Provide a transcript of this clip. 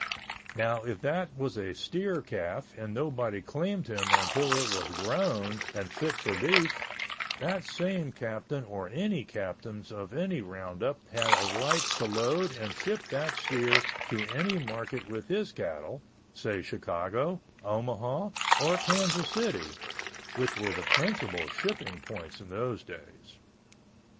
Now if that was a steer calf and nobody claimed him until it was grown and fit for beef, that same captain or any captain of any roundup had a right to load and ship that steer to any market with his cattle, say Chicago, Omaha or Kansas City, which were the principal shipping points in those days.